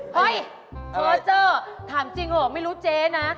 เฮ่ยเธอเจ้อถามจริงไม่รู้เจ๊นะ